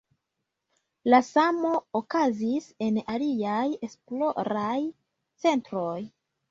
La samo okazis en aliaj esploraj centroj.